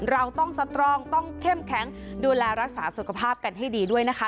เราต้องสตรองต้องเข้มแข็งดูแลรักษาสุขภาพกันให้ดีด้วยนะคะ